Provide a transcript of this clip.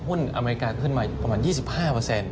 หุ้นอเมริกาขึ้นมาอยู่ประมาณ๒๕